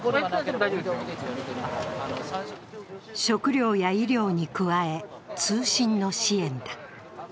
食料や医療に加え、通信の支援だ。